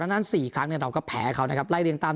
แล้วนั้นสี่ครั้งหนึ่งเราก็แพ้เขานะครับแรกเรียงตาม